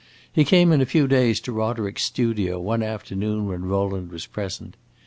He came in a few days to Roderick's studio, one afternoon when Rowland was present.